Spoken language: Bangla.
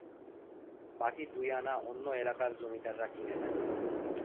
বাকী দুই আনা অন্য এলাকার জমিদাররা কিনে নেন।